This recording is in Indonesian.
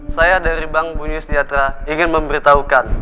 saya dari bank bunyusdiatra ingin memberitahukan